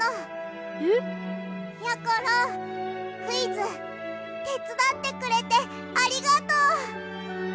クイズてつだってくれてありがとう！